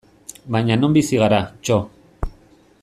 Baina non bizi gara, txo!